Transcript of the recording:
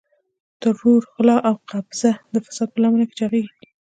ترور، غلا او قبضه د فساد په لمن کې چاغېږي.